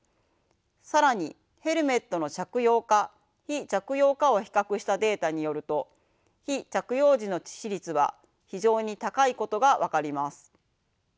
更にヘルメットの着用か非着用かを比較したデータによると非着用時の致死率は非常に高いことが分かります。